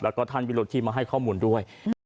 แล้วก็ท่านวิรุธที่มาให้ข้อมูลด้วย